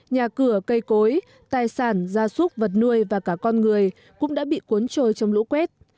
nhà cửa cây cối tài sản gia súc vật nuôi và cả con người cũng đã bị cuốn trôi trong lũ quét